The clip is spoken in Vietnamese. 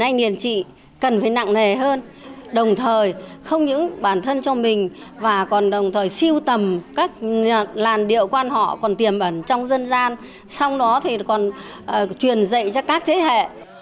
anh liền chị cần phải nặng nề hơn đồng thời không những bản thân cho mình và còn đồng thời siêu tầm các làn điệu quan họ còn tiềm ẩn trong dân gian sau đó thì còn truyền dạy cho các thế hệ